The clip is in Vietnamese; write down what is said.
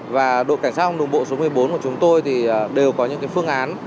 và đội cảnh sát không đồng bộ số một mươi bốn của chúng tôi thì đều có những phương án